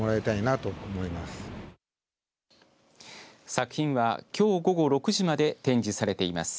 作品は、きょう午後６時まで展示されています。